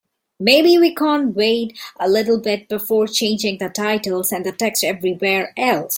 Maybe we can wait a little bit before changing the titles and the text everywhere else?